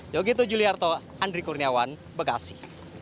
yogyakarta andri kurniawan bekasi